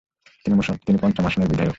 তিনি পঞ্চম আসনের বিধায়ক।